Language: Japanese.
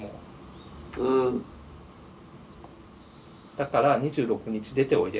だから２６日出ておいで。